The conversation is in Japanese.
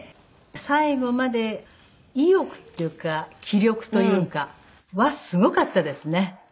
最期まで意欲っていうか気力というかはすごかったですね。